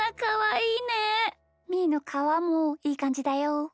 みーのかわもいいかんじだよ！